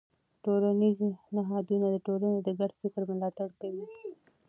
ټولنیز نهادونه د ټولنې د ګډ فکر ملاتړ کوي.